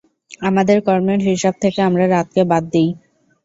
আমাদের কর্মের হিসাব থেকে আমরা রাতকে বাদ দিই।